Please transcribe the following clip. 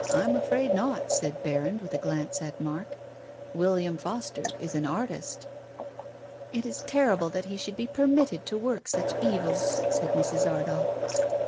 157 " I'm afraid not," said Berrand, with a glance at Mark. " William Foster is an artist." " It is terrible that he should be permitted to work such evil," said Mrs. Ardagh.